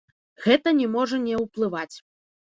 Гэта не можа не ўплываць.